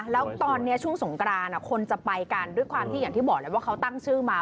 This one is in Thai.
แล้วตอนนี้ช่วงสงกรานคนจะไปกันด้วยความที่อย่างที่บอกแล้วว่าเขาตั้งชื่อมา